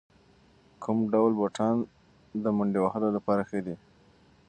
کوم ډول بوټان د منډې وهلو لپاره ښه دي؟